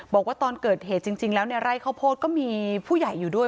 บอกว่าตอนเกิดเหตุจริงแล้วในไร่ข้าวโพดก็มีผู้ใหญ่อยู่ด้วย